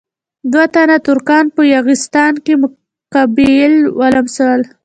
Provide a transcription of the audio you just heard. دوه تنه ترکان په یاغستان کې قبایل ولمسول.